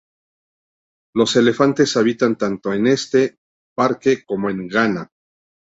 Los elefantes habitan tanto en este parque como en Ghana.